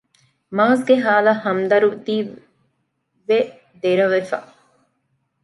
މާޒްގެ ހާލަށް ހަމްދަރުދީވެ ދެރަވެފަ